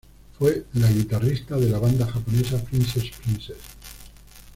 Fue la guitarrista de la banda japonesa Princess Princess.